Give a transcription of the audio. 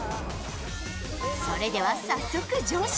それでは早速乗車。